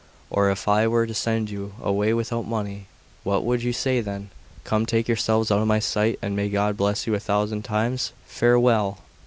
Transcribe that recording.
Or if I were to send you away without money, what would you say then? Come, take yourselves out of my sight, and may God bless you a thousand times. Farewell!"